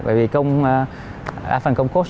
bởi vì công phần công coach